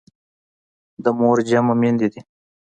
د مور جمع میندي دي.